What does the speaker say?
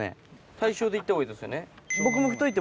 対称でいった方がいいですよね。